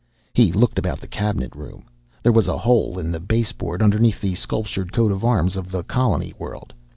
He looked about the cabinet room. There was a hole in the baseboard underneath the sculptured coat of arms of the colony world.